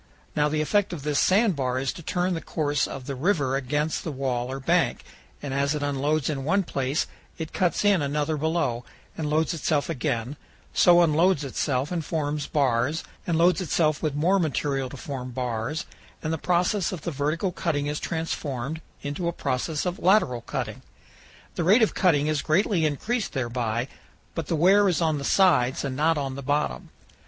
Now the effect of this sand bar is to turn the course of the river against the wall or bank, and as it unloads in one place it cuts in another below and loads itself again; so it unloads itself and forms bars, and loads itself with more material to form bars, and the process of vertical cutting is transformed into a process of lateral cutting. The rate of cutting is greatly increased thereby, but the wear is on the sides and not on the bottom.